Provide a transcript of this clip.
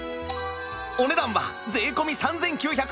お値段は税込３９８０円